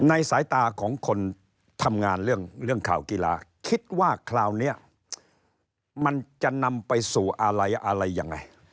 สายตาของคนทำงานเรื่องข่าวกีฬาคิดว่าคราวนี้มันจะนำไปสู่อะไรอะไรยังไง